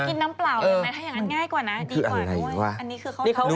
กินน้ำเปล่าได้ไหมถ้าอย่างนั้นง่ายกว่านะดีกว่าด้วย